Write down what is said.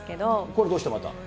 これ、どうしてまた？